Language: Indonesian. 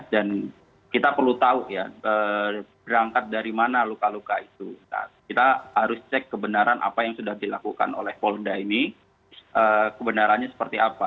dan kita perlu tahu ya berangkat dari mana luka luka itu kita harus cek kebenaran apa yang sudah dilakukan oleh polda ini kebenarannya seperti apa